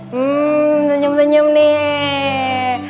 hmm senyum senyum nih